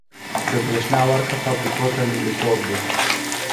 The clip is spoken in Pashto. د بریښنا ورکړه فابریکو ته لومړیتوب دی